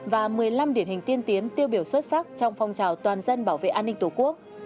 và một mươi năm điển hình tiên tiến tiêu biểu xuất sắc trong phong trào toàn dân bảo vệ an ninh tổ quốc